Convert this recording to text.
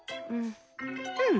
うん。